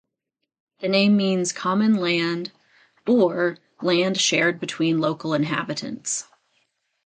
The name means "common land" or "land shared between local inhabitants".